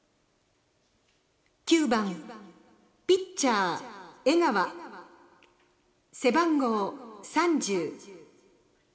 ９番ピッチャー、江川背番号３０。